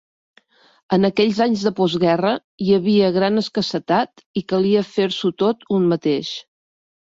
En aquells anys de postguerra hi havia gran escassetat i calia fer-s'ho tot un mateix.